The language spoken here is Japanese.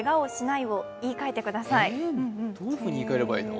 どういうふうに言い換えればいいの？